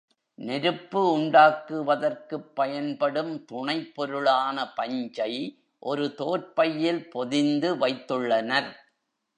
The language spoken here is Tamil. நெருப்பு உண்டாக்குவதற்குப் பயன்படும் துணைப் பொருளான பஞ்சை ஒரு தோற் பையில் பொதிந்து வைத்துள்ளனர்.